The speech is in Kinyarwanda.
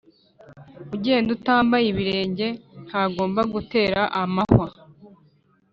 ugenda utambaye ibirenge ntagomba gutera amahwa.